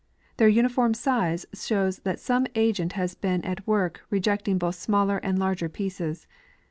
Their uniform size shoAVS that some agent has been at Avork rejecting both smaller and larger pieces.